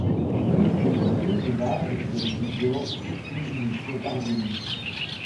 Liste des juges-majes de Bigorre qui nous sont parvenus.